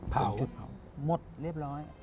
หมดเรียบร้อย